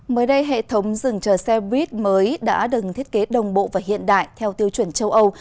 mới đây hệ thống rừng chờ xe buýt mới đã đừng thiết kế đồng bộ và hiện đại theo tiêu chuẩn châu âu